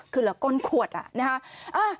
คือเหลือก้นขวดนะฮะ